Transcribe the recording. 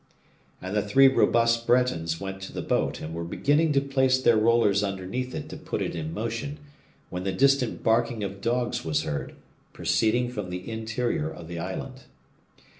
And the three robust Bretons went to the boat, and were beginning to place their rollers underneath it to put it in motion, when the distant barking of dogs was heard, proceeding from the interior of the island.